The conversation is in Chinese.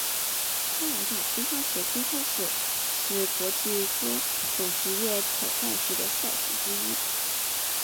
加拿大乒乓球公开赛是国际桌总职业挑战赛的赛事之一。